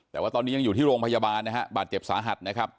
แต่ว่าตอนนี้ยังอยู่ที่โรงพยาบาลนะฮะบาดเจ็บสาหัสนะครับ